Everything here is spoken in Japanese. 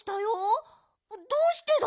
どうしてだろう？